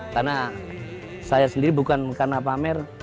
karena saya sendiri bukan karena pamer